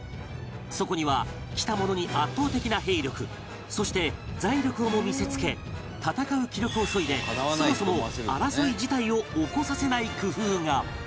そこには来た者に圧倒的な兵力そして財力をも見せつけ戦う気力を削いでそもそも争い自体を起こさせない工夫が